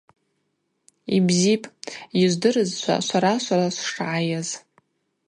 Йбзипӏ, йыжвдырызшва, швара-швара швшгӏайыз.